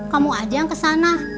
kamu aja yang ke sana